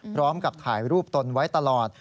พร้อมกับถ่ายรูปตนไว้ตลอด